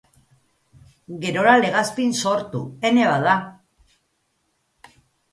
Gerora Legazpin sortu Ene Bada!